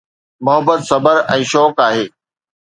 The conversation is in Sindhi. محبت صبر ۽ شوق آهي